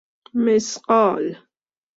مثقال